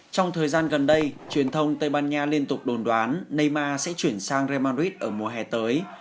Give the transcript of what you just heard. trong thời gian gần đây truyền thông tây ban nha liên tục đồn đoán neyma sẽ chuyển sang real madrid ở mùa hè tới